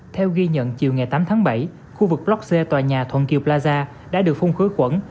theo ghi nhận chiều ngày tám tháng bảy khu vực block c tòa nhà thuận kiều plaza đã được phun khứa quẩn